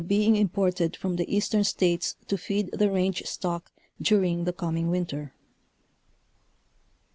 being imported from the eastern States to feed the range stock during the coming winter.